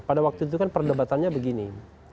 pada waktu itu kan perdebatannya begini